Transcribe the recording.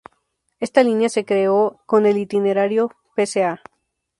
Esta línea se creó con el itinerario "Pza.